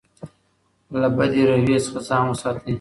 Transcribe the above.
له بدې رویې څخه ځان وساتئ.